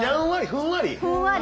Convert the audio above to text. ふんわり。